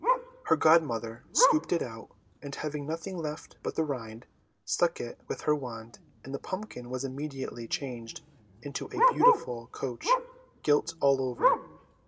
Her godmother scooped it out; and, having left nothing but the rind, struck it with her wand, and the pumpkin was immediately changed into a beautiful coach gilt all over.